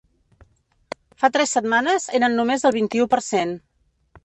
Fa tres setmanes, eren només el vint-i-u per cent.